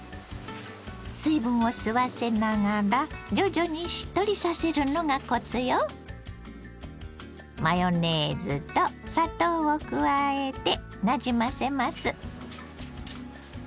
水分を吸わせながら徐々にしっとりさせるのがコツよ。を加えてなじませます。